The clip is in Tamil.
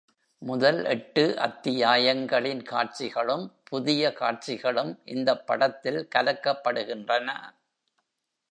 முதல் எட்டு அத்தியாயங்களின் காட்சிகளும் புதிய காட்சிகளும் இந்தப் படத்தில் கலக்கப்படுகின்றன.